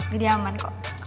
jadi aman kok